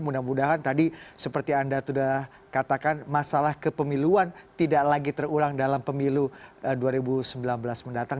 mudah mudahan tadi seperti anda sudah katakan masalah kepemiluan tidak lagi terulang dalam pemilu dua ribu sembilan belas mendatang